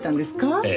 ええ。